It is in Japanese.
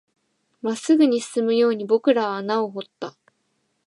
真っ直ぐに進むように僕らは穴を掘った